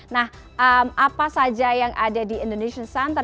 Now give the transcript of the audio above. nah apa saja yang ada di indonesian center